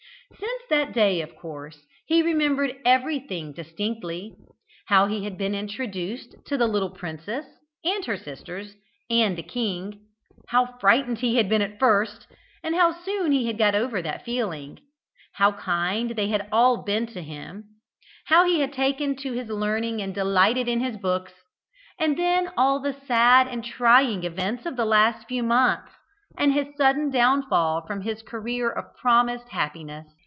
Since that day of course he remembered everything very distinctly how he had been introduced to the little princess, and her sisters, and the king how frightened he had been at first, and how soon he had got over that feeling how kind they had all been to him how he had taken to his learning and delighted in his books; and then all the sad and trying events of the last few months and his sudden downfall from his career of promised happiness.